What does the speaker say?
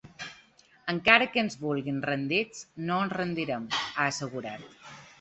Encara que ens vulguin rendits, no ens rendirem!, ha assegurat.